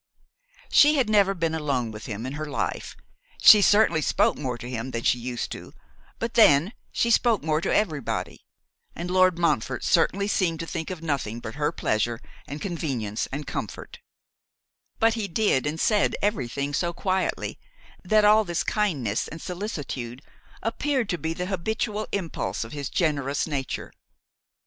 She had never been alone with him in her life; she certainly spoke more to him than she used, but then, she spoke more to everybody; and Lord Montfort certainly seemed to think of nothing but her pleasure and convenience and comfort; but he did and said everything so quietly, that all this kindness and solicitude appeared to be the habitual impulse of his generous nature.